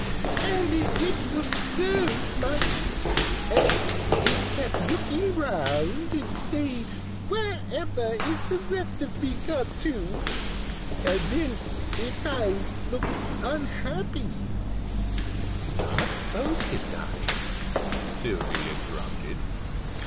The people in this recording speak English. And it did look so funny! And it kept looking round, and saying 'wherever is the rest of me got to?' And then its eyes looked unhappy " "Not both its eyes," Sylvie interrupted.